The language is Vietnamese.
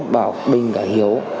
bảo bình cả hiếu